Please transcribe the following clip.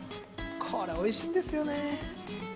これおいしいんですよね！